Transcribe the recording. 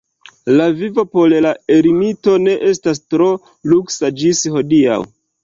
La vivo por la ermito ne estas tro luksa ĝis hodiaŭ.